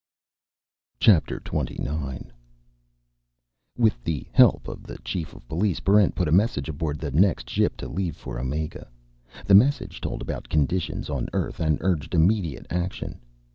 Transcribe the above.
Chapter Twenty Nine With the help of the Chief of Police, Barrent put a message aboard the next ship to leave for Omega. The message told about conditions on Earth and urged immediate action.